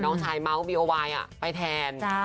น้องชายเมาท์ประโยชน์ไวน์ไปแทน